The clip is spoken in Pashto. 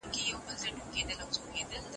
په قلم خط لیکل د بریاوو د لمانځلو وسیله ده.